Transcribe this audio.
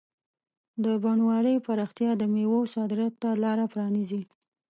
د بڼوالۍ پراختیا د مېوو صادراتو ته لاره پرانیزي.